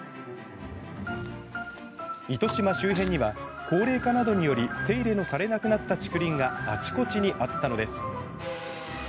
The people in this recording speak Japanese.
糸島周辺には、高齢化などにより手入れのされなくなった竹林があちこちにあったのです。